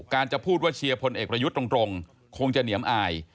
จะพูดว่าเชียร์พลเอกประยุทธ์ตรงคงจะเหนียมอาย